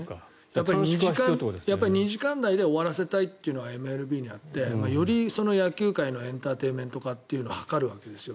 やっぱり２時間台で終わらせたいというのがＭＬＢにはあってより野球界のエンターテインメント化を図るわけですよ。